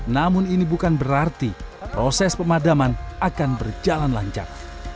namun ini bukan berarti proses pemadaman akan berjalan lancar